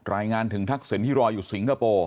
รายงานถึงทักษิณที่รออยู่สิงคโปร์